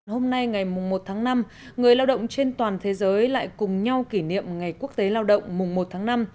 hôm nay ngày một tháng năm người lao động trên toàn thế giới lại cùng nhau kỷ niệm ngày quốc tế lao động mùng một tháng năm